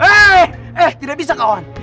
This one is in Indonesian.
eh tidak bisa kawan